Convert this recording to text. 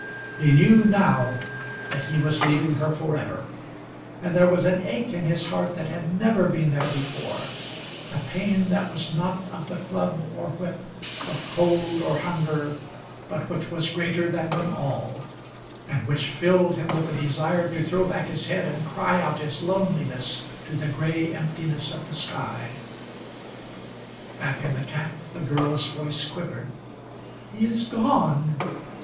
He knew, now, that he was leaving her forever, and there was an ache in his heart that had never been there before, a pain that was not of the club or whip, of cold or hunger, but which was greater than them all, and which filled him with a desire to throw back his head and cry out his loneliness to the gray emptiness of the sky. Back in the camp the girl's voice quivered. "He is gone."